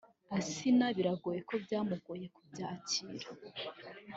Asnah bigaragara ko byamugoye kubyakira